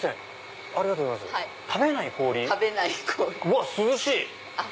うわっ涼しい！